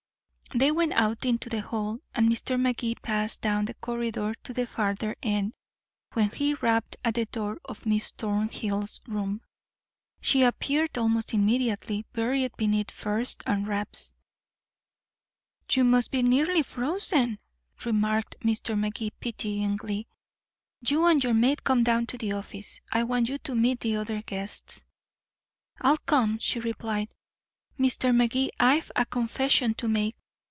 They went out into the hall, and Mr. Magee passed down the corridor to the farther end, where he rapped on the door of Miss Thornhill's room. She appeared almost immediately, buried beneath furs and wraps. "You must be nearly frozen," remarked Mr. Magee pityingly. "You and your maid come down to the office. I want you to meet the other guests." "I'll come," she replied. "Mr. Magee, I've a confession to make.